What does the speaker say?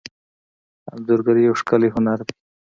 انځورګري یو ښکلی هنر دی.